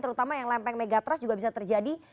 terutama yang lempeng megatrust juga bisa terjadi